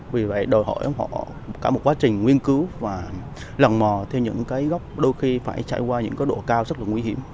vì vậy đòi hỏi họ cả một quá trình nguyên cứu và lòng mò theo những cái góc đôi khi phải trải qua những cái độ cao rất là nguy hiểm